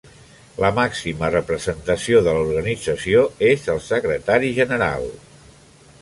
La màxima representació de l'organització és el Secretari General.